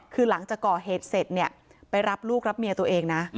คือหลังจากก่อเหตุเสร็จเนี่ยไปรับลูกรับเมียตัวเองนะ